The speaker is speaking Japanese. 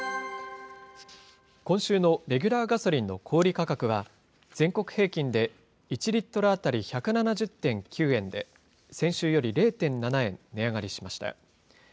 今週のレギュラーガソリンの小売り価格は、全国平均で、１リットル当たり１７０．９円で、先週より０．７円値上がりしました。